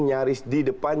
nyaris di depan